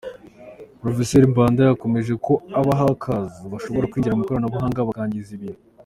Prof Mbanda yakomeje ko aba Hackers bashobora kwinjira mu ikoranabuhanga, bakangiza ibintu.